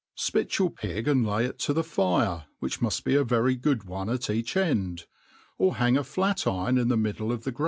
SPIT your pig and lay it to the fire, which inuft be a very good one at each end, or hang a flat iron in the middle of thel*.